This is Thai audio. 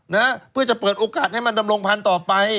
นะฮะเพื่อจะเปิดโอกาสให้มันดำรงพันธุ์ต่อไป